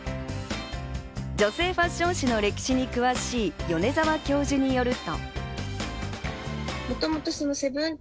女性ファッション誌の歴史に詳しい米澤教授によると。